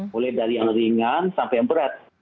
mulai dari yang ringan sampai yang berat